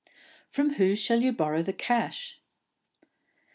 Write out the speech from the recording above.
"From whom shall you borrow the cash?"